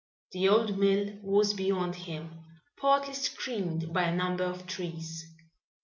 The old mill was beyond him, partly screened by a number of trees.